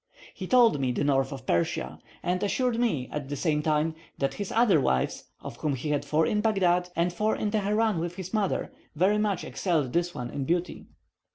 He told me the north of Persia, and assured me, at the same time, that his other wives, of whom he had four in Baghdad and four in Teheran with his mother, very much excelled this one in beauty.